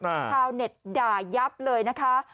ชาวเน็ตด่ายับเลยนะคะ